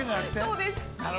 ◆そうです。